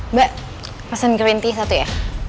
mbak pesan green tea satu ya